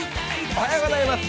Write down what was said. おはようございます。